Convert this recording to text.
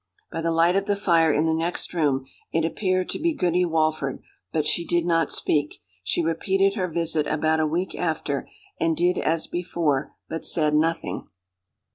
By the light of the fire in the next room it appeared to be Goody Walford, but she did not speak. She repeated her visit about a week after, and did as before, but said nothing.